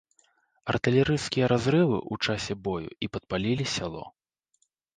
Артылерыйскія разрывы ў часе бою і падпалілі сяло.